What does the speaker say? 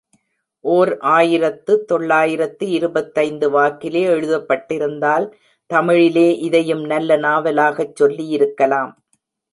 ஓர் ஆயிரத்து தொள்ளாயிரத்து இருபத்தைந்து வாக்கிலே எழுதப்பட்டிருந்தால், தமிழிலே இதையும் நல்ல நாவலாகச் சொல்லியிருக்கலாம்.